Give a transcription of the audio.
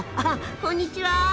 こんにちは。